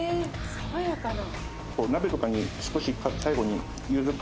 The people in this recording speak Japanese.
爽やかな？